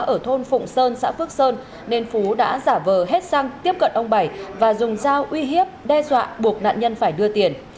ở thôn phụng sơn xã phước sơn nên phú đã giả vờ hết xăng tiếp cận ông bảy và dùng dao uy hiếp đe dọa buộc nạn nhân phải đưa tiền